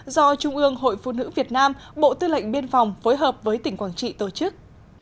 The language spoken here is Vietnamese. do trung ương hội phụ nữ việt nam bộ tư lệnh biên phòng phối hợp với tỉnh quảng trị tổ chức